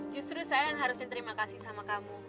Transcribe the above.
justru saya yang harusin terima kasih sama kamu